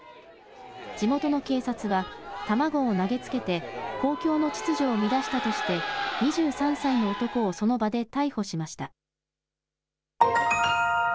地元の警察は、卵を投げつけて公共の秩序を乱したとして、２３歳の男をその場で逮捕しました。